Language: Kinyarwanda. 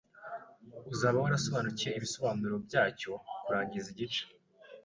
Uzaba warasobanuye ibisobanuro byacyo kurangiza igice